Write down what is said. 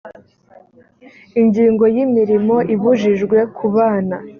ingingo ya imirimo ibujijwe ku bana